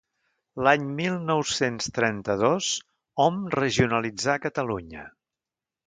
L'any mil nou-cents trenta-dos hom regionalitzà Catalunya.